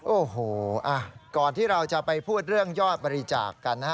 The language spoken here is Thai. โอ้โหก่อนที่เราจะไปพูดเรื่องยอดบริจาคกันนะฮะ